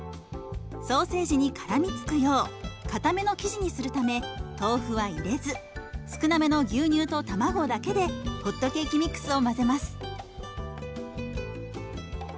ソーセージにからみつくようかための生地にするため豆腐は入れず少なめの牛乳と卵だけでホットケーキミックスを混ぜます。